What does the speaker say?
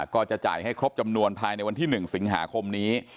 ก็จะจ่ายให้ครบจำนวนภายในวันที่๑สิงหาคมนี้